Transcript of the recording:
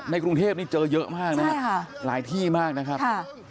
กรุงเทพนี่เจอเยอะมากนะครับหลายที่มากนะครับ